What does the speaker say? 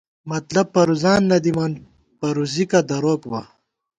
مطلب پروزان نہ دِمان ، پروزِکہ دروک بہ